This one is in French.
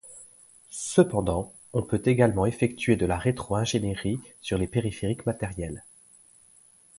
Cependant, on peut également effectuer de la rétro-ingénierie sur les périphériques matériels.